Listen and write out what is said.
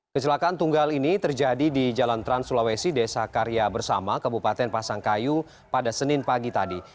kecelakaan tunggal ini terjadi di jalan trans sulawesi desa karya bersama kabupaten pasangkayu pada senin pagi tadi